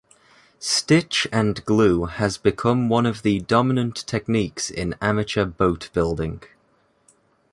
Stitch and glue has become one of the dominant techniques in amateur boatbuilding.